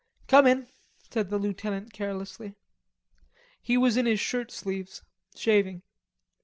"Come in," said the lieutenant carelessly. He was in his shirtsleeves, shaving.